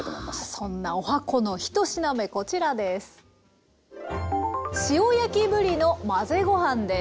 そんな十八番の１品目こちらです。